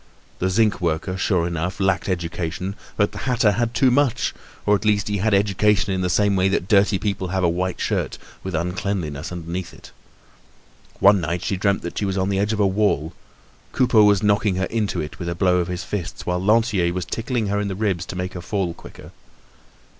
The zinc worker, sure enough, lacked education; but the hatter had too much, or at least he had education in the same way that dirty people have a white shirt, with uncleanliness underneath it. One night, she dreamt that she was on the edge of a wall; Coupeau was knocking her into it with a blow of his fist, whilst Lantier was tickling her in the ribs to make her fall quicker.